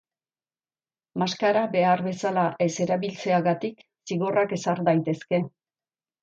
Maskara behar bezala ez erabiltzeagatik zigorrak ezar daitezke.